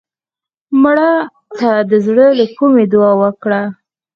مړه ته د زړه له کومې دعا وکړه